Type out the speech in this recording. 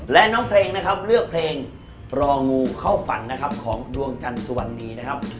และน้องเพลงนะครับเลือกเพลงรองูเข้าฝันนะครับของดวงจันทร์สุวรรณีนะครับ